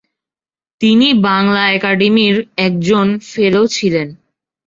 তিনি বাংলা একাডেমির একজন ফেলো ছিলেন।